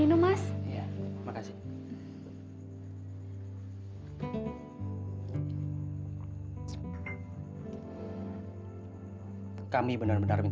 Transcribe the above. gue mesti jadi pacar mas andi